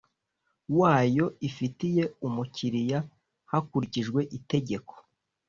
wayo ifitiye umukiriya hakurikijwe Itegeko